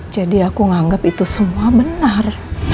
jadi aku nganggap itu semua benar